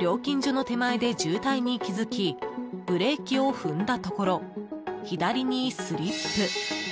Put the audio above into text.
料金所の手前で渋滞に気付きブレーキを踏んだところ左にスリップ。